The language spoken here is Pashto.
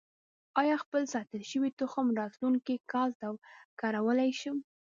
آیا خپل ساتل شوی تخم راتلونکي کال ته کارولی شم؟